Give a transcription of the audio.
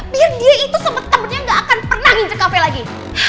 biar dia itu sempet kabarnya gak akan pernah ngincer cafe lagi